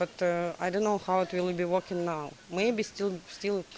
tapi saya tidak tahu bagaimana itu akan berjalan sekarang